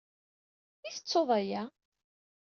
I tettuḍ aya?